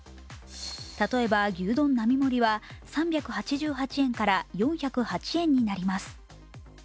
例えば牛丼並盛は３８８円から４０８円になります。